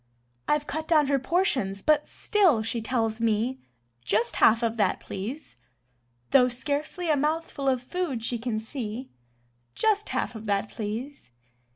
I've cut down her portions but still she tells me: "Just half of that, please." Though scarcely a mouthful of food she can see: "Just half of that, please."